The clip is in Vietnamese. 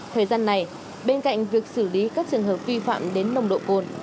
thời gian này bên cạnh việc xử lý các trường hợp vi phạm đến nồng độ cồn